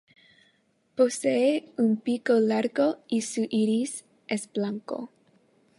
Posee un pico largo y su iris es blanco.